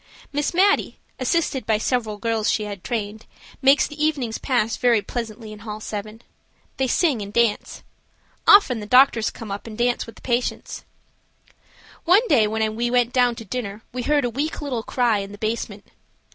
Miss Mattie, assisted by several girls she has trained, makes the evenings pass very pleasantly in hall 7. They sing and dance. Often the doctors come up and dance with the patients. One day when we went down to dinner we heard a weak little cry in the basement.